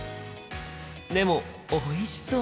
でもおいしそう！